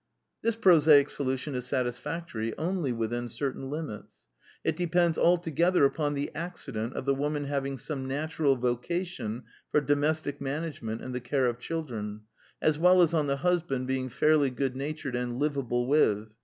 This prosaic solution is satisfactory only within certain limits. It depends altogether upon the accident of the woman having some natural voca tion for domestic management and the care of children, as well as on the husband being fairly good natured and livable with.